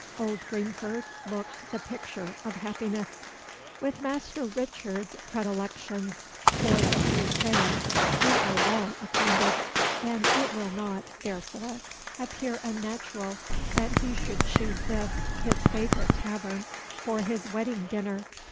Old Greenford looked the picture of happiness. With Master Richard's predilections for the Three Cranes we are well acquainted, and it will not, therefore, appear unnatural that he should choose this, his favourite tavern, for his wedding dinner.